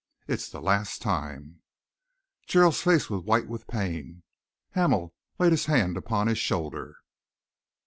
It's the last time!" Gerald's face was white with pain. Hamel laid his hand upon his shoulder.